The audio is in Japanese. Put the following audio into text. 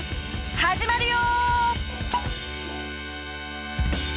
始まるよ！